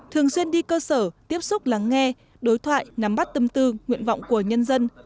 thường xuyên đi cơ sở tiếp xúc lắng nghe đối thoại nắm bắt tâm tư nguyện vọng của nhân dân